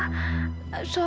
kak fadil kak fadil